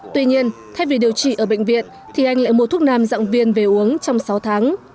tuy nhiên thay vì điều trị ở bệnh viện thì anh lại mua thuốc nam dạng viên về uống trong sáu tháng